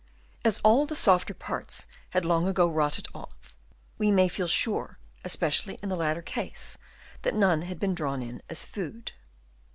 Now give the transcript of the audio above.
As all the softer parts had long ago rotted off, we may feel sure, especially in the latter case, that none had been drawn in as food.